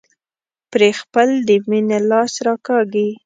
پرې خپل د مينې لاس راکاږي.